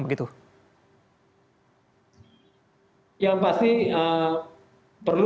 melihat kondisi saat ini apa yang sudah dilakukan agar kejadian yang sama tidak terulang